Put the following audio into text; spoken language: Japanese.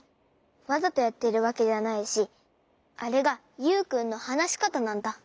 わざとやっているわけではないしあれがユウくんのはなしかたなんだ。